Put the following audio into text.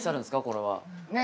これは。ね！